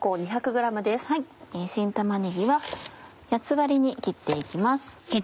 新玉ねぎは八つ割りに切って行きます。